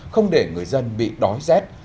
không để người dân bị đói rét